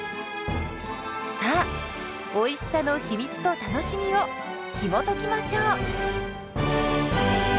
さあおいしさの秘密と楽しみをひもときましょう！